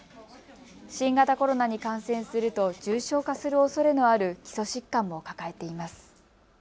新型コロナに感染すると重症化するおそれのある基礎疾患も抱えています。